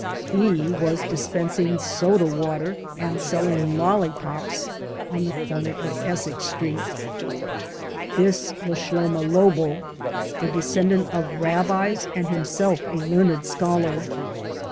He was dispensing soda water and selling lollypops on the comer of Essex Street. This was Shloma Lobel, a descendant of rabbis and himself a learned scholar.